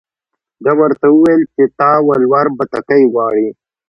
ده ورته وویل چې ستا ولور بتکۍ غواړي.